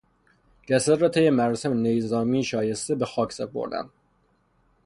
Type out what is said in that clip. جسد را طی مراسم نظامی شایسته به خاک سپردند.